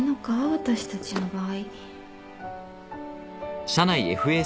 私たちの場合。